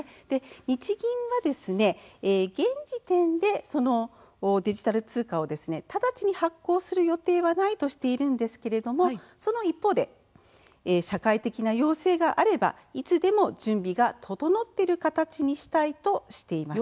日銀は現時点でデジタル通貨を直ちに発行する予定はないとしているんですけれどもその一方で社会的な要請があればいつでも準備が整っている形にしたいとしています。